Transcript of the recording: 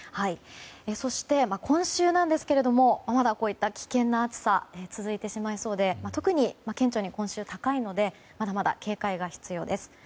そして、今週こういった危険な暑さ続いてしまいそうで特に顕著に今週高いのでまだまだ警戒が必要です。